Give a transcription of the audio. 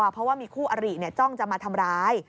เพราะว่ามีคู่อริจ้องจะมาทำร้าย